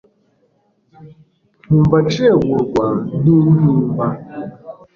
Nkumva nshengurwa nintimba